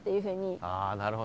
ああなるほど。